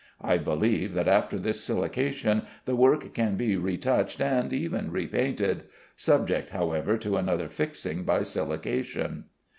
I believe that after this silication the work can be retouched and even repainted; subject, however, to another fixing by silication.